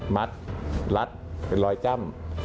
มัดรัดเป็นรอยจ้ำ